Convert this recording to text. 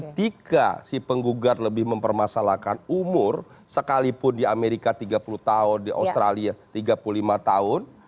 ketika si penggugat lebih mempermasalahkan umur sekalipun di amerika tiga puluh tahun di australia tiga puluh lima tahun